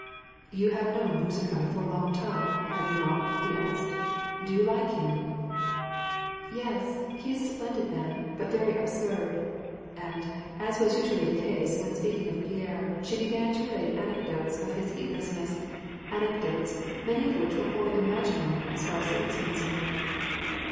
"You have known Bezukhoi for a long time, have you not ?" he asked. " Do you like him ?" "Yes, he is a splendid man; but very absurd." And, as was usually the case, when speaking of Pierre, she began to relate anecdotes of his heedlessness : anecdotes, many of which were wholly imaginary, as far as he was concerned.